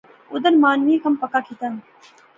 اودھر مانویں کم پکا کیتیا نا